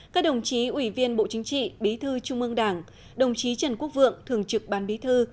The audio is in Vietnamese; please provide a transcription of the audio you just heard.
các đồng chí ủy viên bộ chính trị bí thư trung ương đảng đồng chí trần quốc vượng thường trực ban bí thư